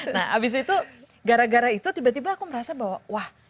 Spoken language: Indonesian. nah abis itu gara gara itu tiba tiba aku merasa bahwa wah